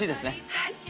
はい。